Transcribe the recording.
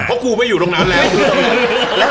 เพราะกูไม่อยู่ตรงนั้นแล้ว